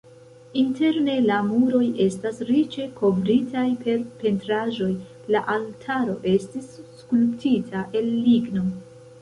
Interne la muroj estas riĉe kovritaj per pentraĵoj, la altaro estis skulptita el ligno.